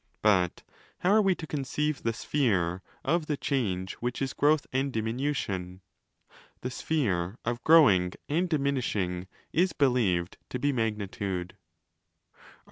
But how are we to conceive the 'sphere' of the change which is growth and diminution? The' sphere' of growing and diminishing is believed to be magnitude. Are we to 1 Cf.